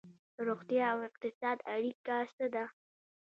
د روغتیا او اقتصاد اړیکه څه ده؟